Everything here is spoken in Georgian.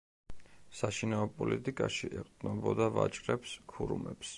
საშინაო პოლიტიკაში ეყრდნობოდა ვაჭრებს, ქურუმებს.